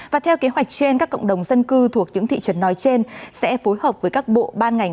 và theo kế hoạch trên các cộng đồng dân cư thuộc những thị trấn nói trên sẽ phối hợp với các bộ ban ngành